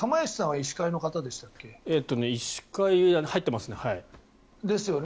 医師会、入ってますね。